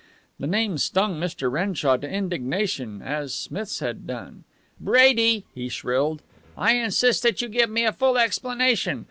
The name stung Mr. Renshaw to indignation, as Smith's had done. "Brady!" he shrilled. "I insist that you give me a full explanation.